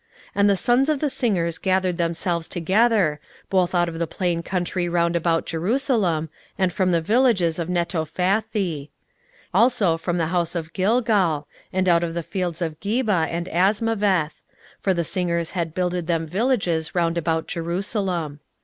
16:012:028 And the sons of the singers gathered themselves together, both out of the plain country round about Jerusalem, and from the villages of Netophathi; 16:012:029 Also from the house of Gilgal, and out of the fields of Geba and Azmaveth: for the singers had builded them villages round about Jerusalem.